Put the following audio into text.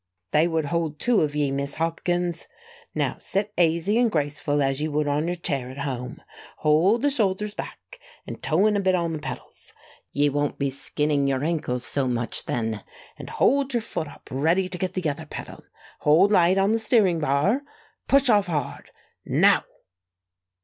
"They would hold two of ye, Miss Hopkins. Now sit aisy and graceful as ye would on your chair at home, hold the shoulders back, and toe in a bit on the pedals ye won't be skinning your ankles so much then and hold your foot up ready to get the other pedal. Hold light on the steering bar. Push off hard. _Now!